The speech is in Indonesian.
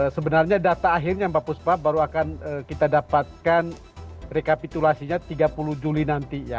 sebenarnya data akhirnya mbak puspa baru akan kita dapatkan rekapitulasinya tiga puluh juli nanti ya